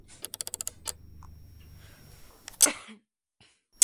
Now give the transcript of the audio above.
Ward en Londres.